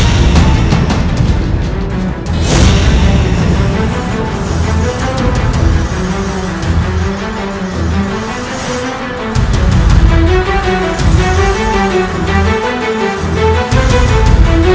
tidak pakai kamu mencari kujang gempar itu